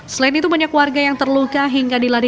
selain itu banyak warga yang terluka hingga dilari